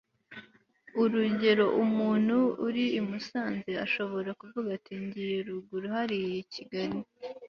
urugero umuntu uri i musanze ashobora kuvuga ati ngiye ruguru hariya i kigali